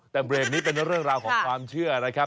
แต่เบรกนี้เป็นเรื่องราวของความเชื่อนะครับ